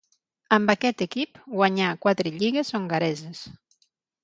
Amb aquest equip guanyà quatre lligues hongareses.